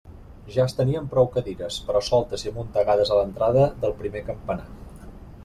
Ja es tenien prou cadires, però soltes i amuntegades a l'entrada del primer campanar.